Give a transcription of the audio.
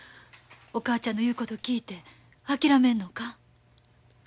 お母ちゃんの言うこと聞いて諦めるのんか？